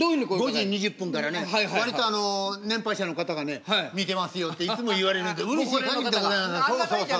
５時２０分からね割と年配者の方がね「見てますよ」っていつも言われるんでうれしいかぎりでございます。